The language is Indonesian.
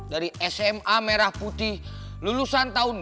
dari sma merah putih lulusan tahun dua ribu